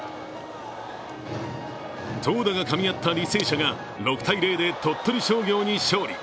投打がかみ合った履正社が６−０で鳥取商業に勝利。